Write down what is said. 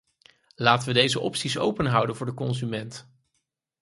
Laten we deze opties openhouden voor de consument.